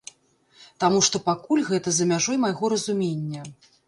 Таму што пакуль гэта за мяжой майго разумення.